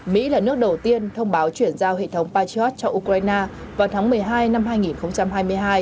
mỹ là nước đầu tiên thông báo chuyển giao hệ thống patriot cho ukraine vào tháng một mươi hai năm hai nghìn hai mươi hai